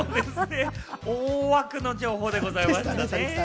大枠の情報でございましたね。